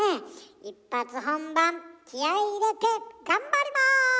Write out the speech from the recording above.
一発本番気合い入れて頑張ります！